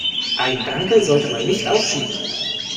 Ein Danke sollte man nicht aufschieben.